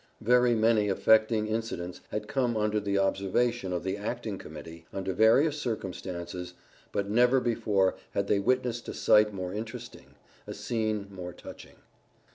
Very many affecting incidents had come under the observation of the acting Committee, under various circumstances, but never before had they witnessed a sight more interesting, a scene more touching.